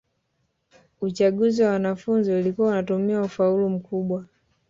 uchaguzi wa wanafunzi ulikuwa unatumia ufaulu mkubwa